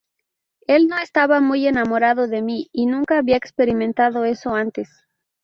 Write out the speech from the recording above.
Él no estaba muy enamorado de mí y nunca había experimentado eso antes.